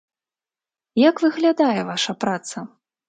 Як выглядае ваша праца?